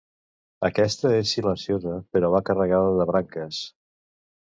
Aquesta és silenciosa però va carregada de branques.